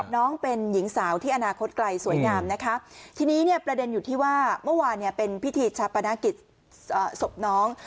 น้องเป็นหญิงสาวที่อนาคตไกลสวยงามนะคะทีนี้เนี่ยประเด็นอยู่ที่ว่าเมื่อวานเนี่ยเป็นพิธีชาปนกิจศพน้อง